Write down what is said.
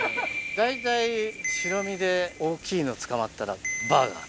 大体白身で大きいの捕まったらバーガー。